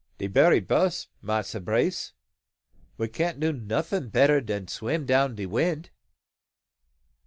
"De berry bess, Massa Brace. We can't do nuffin' better dan swim down de wind."